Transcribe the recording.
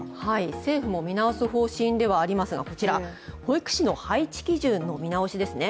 政府も見直す方針ではありますが保育士の配置基準の見直しですね。